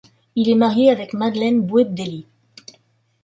Il est marié avec Madeleine Bouebdelli.